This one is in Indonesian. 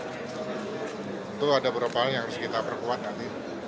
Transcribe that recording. jadi itu ada beberapa hal yang harus kita perkuat nanti